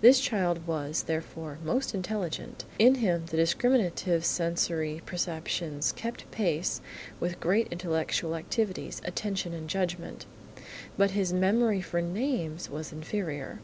This child was, therefore, most intelligent. In him the discriminative sensory perceptions kept pace with great intellectual activities–attention and judgment. But his memory for names was inferior.